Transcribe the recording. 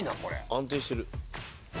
安定してる。